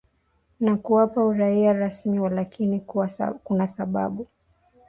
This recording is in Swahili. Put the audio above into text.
na kuwapa uraia rasmi Walakini kuna sababu